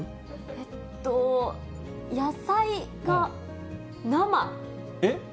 えっと、野菜が生。